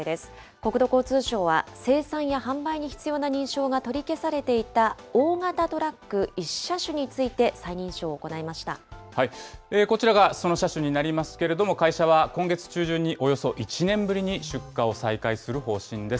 国土交通省は、生産や販売に必要な認証が取り消されていた大型トラック１車種にこちらがその車種になりますけれども、会社は今月中旬に、およそ１年ぶりに出荷を再開する方針です。